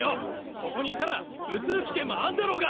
ここに居たら感染る危険もあんだろうが！